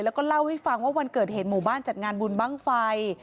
แล้วก็เล่าให้ฟังว่าวันเกิดเหตุหมู่บ้านจัดงานบุญบ้างไฟ